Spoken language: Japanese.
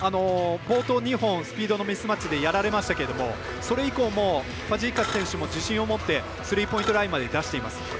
冒頭２本、スピードのミスマッチでやられましたけどそれ以降もファジーカス選手も自信を持ってスリーポイントラインまで出しています。